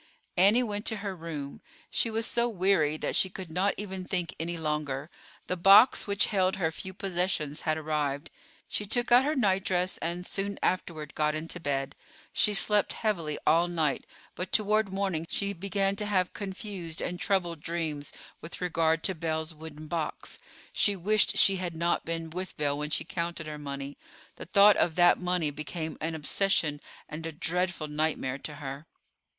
Annie went to her room. She was so weary that she could not even think any longer. The box which held her few possessions had arrived. She took out her nightdress and, soon afterward, got into bed. She slept heavily all night, but toward morning she began to have confused and troubled dreams with regard to Belle's wooden box. She wished she had not been with Belle when she counted her money. The thought of that money became an oppression and a dreadful nightmare to her.